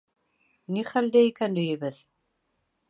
Ни хәлдә икән өйөбөҙ?